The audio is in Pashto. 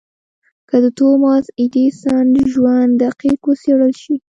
که د توماس ايډېسن ژوند دقيق وڅېړل شي.